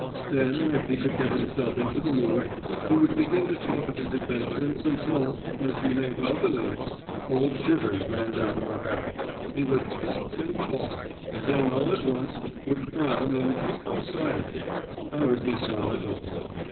Then, if he could get himself into the mood, he would begin to talk of his adventures until, as you may well believe, cold shivers ran down my back. He would talk and talk, and then all at once would frown and become silent. I would be silent also.